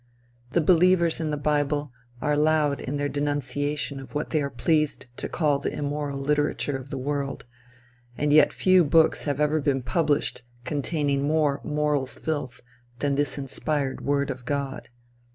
The believers in the bible are loud in their denunciation of what they are pleased to call the immoral literature of the world; and yet few books have been published containing more moral filth than this inspired word of God.